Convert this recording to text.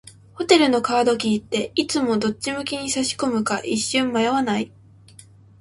ホテルのカードキーって、いつもどっち向きに差し込むか一瞬迷わない？